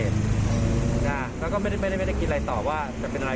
แล้วก็ไม่ได้คิดอะไรตอบว่าจะเป็นอะไร